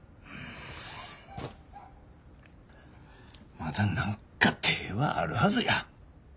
まだ何か手ぇはあるはずや。